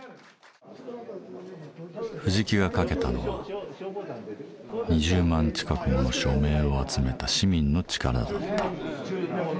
藤木が賭けたのは２０万近くもの署名を集めた市民の力だった。